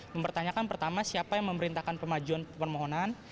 mempertanyakan pertama siapa yang memerintahkan pemajuan permohonan